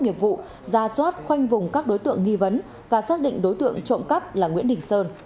nghiệp vụ ra soát khoanh vùng các đối tượng nghi vấn và xác định đối tượng trộm cắp là nguyễn đình sơn